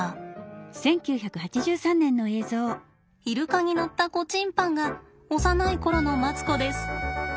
イルカに乗った子チンパンが幼いころのマツコです。